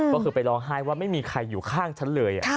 ก็คือไปร้องไห้ว่าไม่มีใครอยู่ข้างฉันเลย